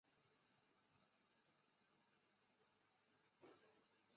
县治位于斯卡杜。